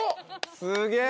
すげえ！